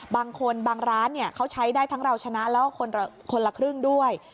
บางคนบางร้านเขาใช้ได้ทั้งเราชนะแล้วก็คนละครึ่งด้วย